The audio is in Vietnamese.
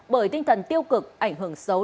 bởi tinh thần tiêu cực ảnh hưởng xấu